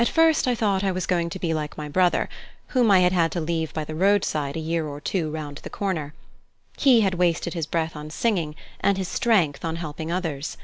At first I thought I was going to be like my brother, whom I had had to leave by the road side a year or two round the corner. He had wasted his breath on singing, and his strength on helping others.